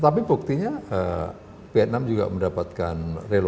tapi buktinya vietnam juga mendapatkan reloka